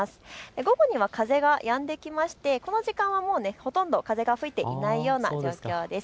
午後には風がやんできましてこの時間はもうほとんど風が吹いていないような状況です。